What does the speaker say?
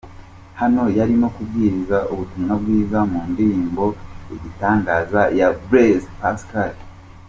Hano yarimo kubwiriza ubutumwa bwiza mu ndirimbo 'Igitangaza' ya Blaise Pascal.